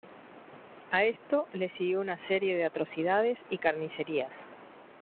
A esto le siguió una serie de atrocidades y carnicerías.